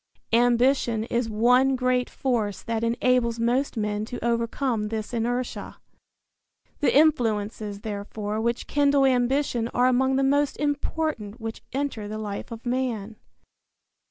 Ambition is one great force that enables most men to overcome this inertia. The influences, therefore, which kindle ambition are among the most important which enter the life of man.